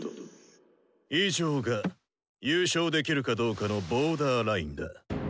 以上が優勝できるかどうかの「ボーダーライン」だ。